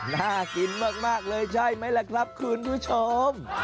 น่ากินมากเลยใช่ไหมล่ะครับคุณผู้ชม